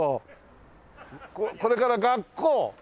これから学校？